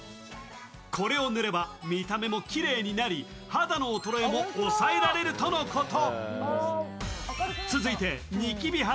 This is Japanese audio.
これを塗れば見た目もきれいになり、肌の衰えも抑えられるとのこと。